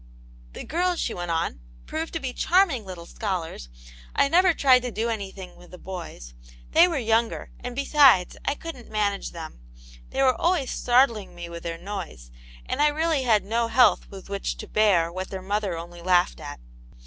" The girls," she went on, " proved to be charming little scholars ; I never tyied to do anything with the boys; they were younger, and, besides, I couldn't manage them ; they were always startling me with their noise, and I really had no health with which to bear what their mother only laughed at.